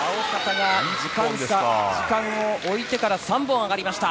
時間をおいてから３本、上がりました。